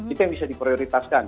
itu yang bisa diprioritaskan